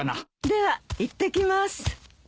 ではいってきます。